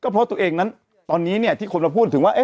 เพราะตัวเองนั้นตอนนี้ที่คนมาพูดถึงว่า